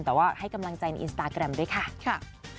แต่ว่าให้กำลังใจในอินสตาแกรมด้วยค่ะ